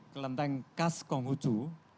kelenteng kas konghucu